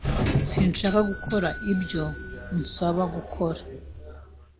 Sinshaka gukora ibyo unsaba gukora